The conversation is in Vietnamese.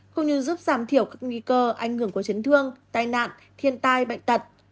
cũng như giúp giảm thiểu các nghi cơ ảnh hưởng của chấn thương tai nạn thiên tai bệnh tật